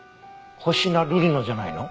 星名瑠璃のじゃないの？